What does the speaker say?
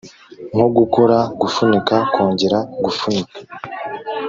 nko gukora gufunika kongera gufunika